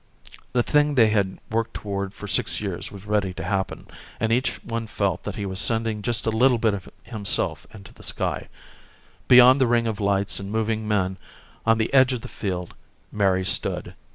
The thing they had worked toward for six years was ready to happen, and each one felt that he was sending just a little bit of himself into the sky. Beyond the ring of lights and moving men, on the edge of the field, Mary stood.